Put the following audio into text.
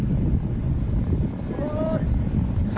โทษ